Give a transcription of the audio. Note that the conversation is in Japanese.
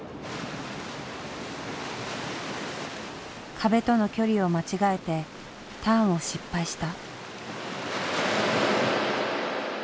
壁との距離を間違えてターンを失敗した。